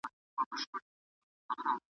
د غریب پر مرګ څوک نه ژاړي